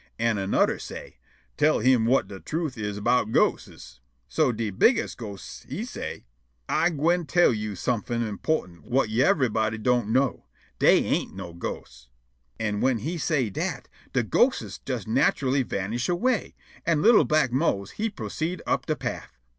An' annuder say': "Tell him whut de truth is 'bout ghostes." So de bigges' ghost he say': "Ah gwine tell yo' somefin' _im_portant whut yever'body don't know: Dey ain't no ghosts." An' whin he say' dat, de ghostes jes natchully vanish away, an' li'l' black Mose he proceed' up de paff.